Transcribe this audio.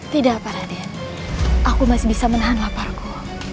tidak apa radit aku masih bisa menahan laparku